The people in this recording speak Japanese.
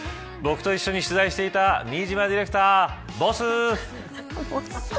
僕と一緒に取材していた新島ディレクターボス。